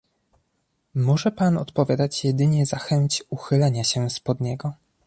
"Może pan odpowiadać jedynie za chęć uchylenia się z pod niego."